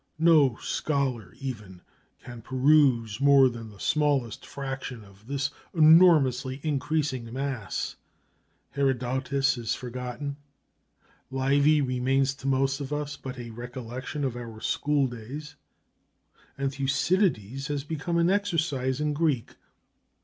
No scholar, even, can peruse more than the smallest fraction of this enormously increasing mass. Herodotus is forgotten, Livy remains to most of us but a recollection of our school days, and Thucydides has become an exercise in Greek.